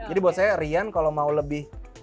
jadi buat saya rian kalau mau lebih